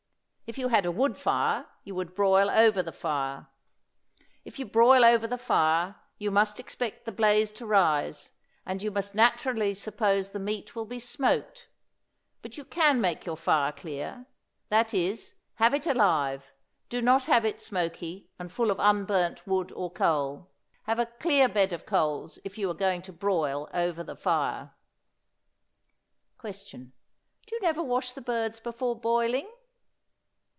If you had a wood fire you would broil over the fire. If you broil over the fire you must expect the blaze to rise, and you must naturally suppose the meat will be smoked; but you can make your fire clear that is, have it alive; do not have it smoky and full of unburnt wood or coal; have a clear bed of coals if you are going to broil over the fire. Question. Do you never wash the birds before boiling?